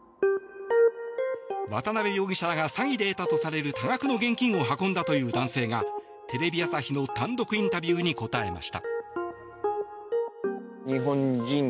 渡邉容疑者らが詐欺で得たとされる多額の現金を運んだという男性がテレビ朝日の単独インタビューに答えました。